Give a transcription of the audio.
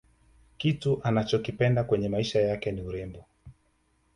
kitu anachokipenda kwenye maisha yake ni urembo